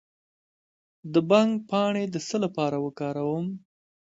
د بنګ پاڼې د څه لپاره وکاروم؟